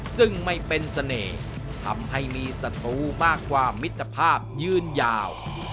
ซึ่งไม่เป็นเสน่ห์ทำให้มีศัตรูมากกว่ามิตรภาพยืนยาว